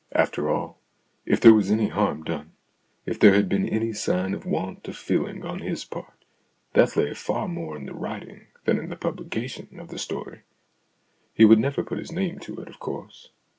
After all, if there was any harm done if there had been 56 STORIES IN GREY any sign of want of feeling on his part that lay far more in the writing than in the publication of the story. He would never put his name to it, of course.